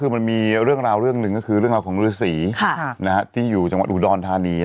มันมีเรื่องราวของฤสีที่อยู่จังหวัดอูดอลตานี